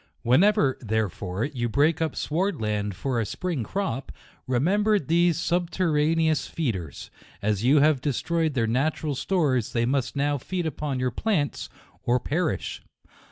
Whenever, therefore, you break up sward land for a spring crop, remember these subterraneous feeders. As you have destroyed their natural stores, they must now feed upon your plants or perish.